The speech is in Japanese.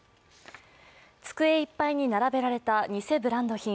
机いっぱいに並べられた偽ブランド品。